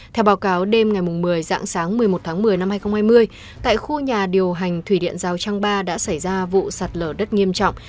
theo báo cáo đêm ngày một mươi dạng sáng một mươi một tháng một mươi năm hai nghìn hai mươi tại khu nhà điều hành thủy điện giao trang ba đã xảy ra vụ sạt lở đất nghiêm trọng